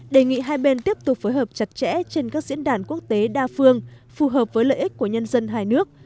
đề nghị hai bên tiếp tục phối hợp chặt chẽ trên các diễn đàn quốc tế đa phương phù hợp với lợi ích của nhân dân hai nước